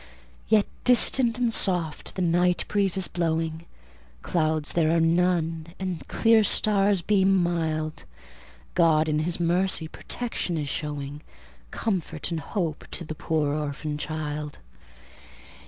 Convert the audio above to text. Yet distant and soft the night breeze is blowing, Clouds there are none, and clear stars beam mild, God, in His mercy, protection is showing, Comfort and hope to the poor orphan child.